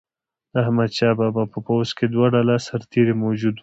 د احمدشاه بابا په پوځ کې دوه ډوله سرتیري موجود وو.